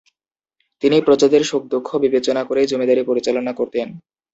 তিনি প্রজাদের সুখ-দুঃখ বিবেচনা করেই জমিদারী পরিচালনা করতেন।